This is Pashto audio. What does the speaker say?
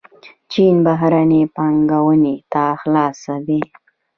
چین بهرنۍ پانګونې ته خلاص دی.